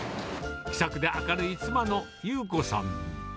気さくで明るい妻の優子さん。